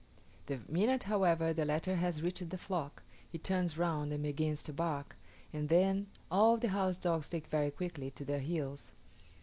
The minute, however, the latter has reached the flock, he turns round and begins to bark, and then all the house dogs take very quickly to their heels.